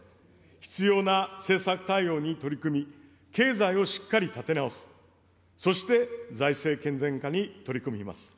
必要な政策対応に取り組み、経済をしっかり立て直す、そして財政健全化に取り組みます。